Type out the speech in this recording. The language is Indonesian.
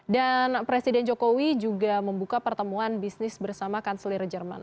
dan presiden jokowi juga membuka pertemuan bisnis bersama kanselir jerman